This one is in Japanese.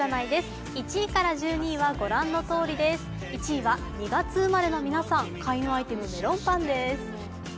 １位は２月生まれの皆さん、開運アイテムメロンパンです。